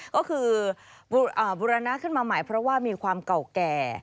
ก็คือบูรณะขึ้นมาใหม่เพราะว่ามีความเก่าแก่